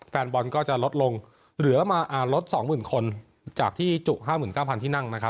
แฟนบอลก็จะลดลงเหลือมาลดสองหมื่นคนจากที่จุ๕๙๐๐๐ที่นั่งนะครับ